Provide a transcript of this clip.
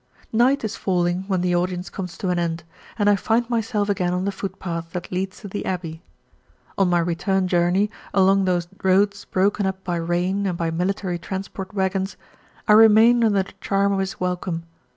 Night is falling when the audience comes to an end and I find myself again on the footpath that leads to the abbey. On my return journey, along those roads broken up by rain and by military transport wagons, I remain under the charm of his welcome.